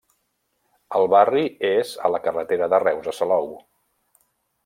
El barri és a la carretera de Reus a Salou.